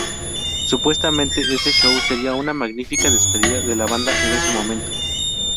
Supuestamente este show sería una magnífica despedida de la banda en ese momento.